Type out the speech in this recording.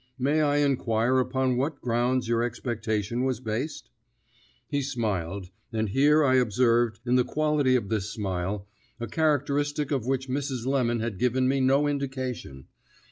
"May I inquire upon what grounds your expectation was based?" He smiled; and here I observed, in the quality of this smile, a characteristic of which Mrs. Lemon had given me no indication.